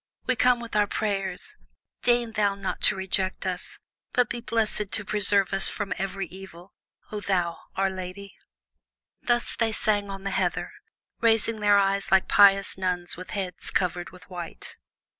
We come with our prayers; deign thou not to reject us, But be pleased to preserve us from every evil, O thou, our Lady! Thus they sang on the heather, raising their eyes like pious nuns with heads covered with white.